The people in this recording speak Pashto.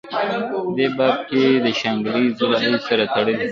دې باب کې دَشانګلې ضلعې سره تړلي